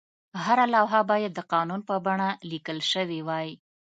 هره لوحه باید د قانون په بڼه لیکل شوې وای.